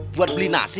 buat beli nasi